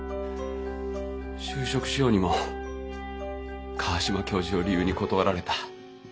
就職しようにも川島教授を理由に断られた。